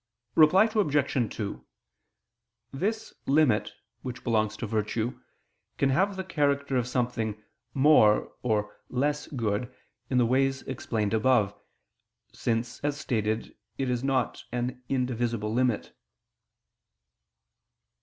Reply Obj. 2: This "limit" which belongs to virtue, can have the character of something more or less good, in the ways explained above: since, as stated, it is not an indivisible limit.